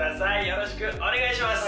よろしくお願いします